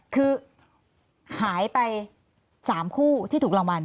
คือหายไป๓คู่ที่ถูกรางวัล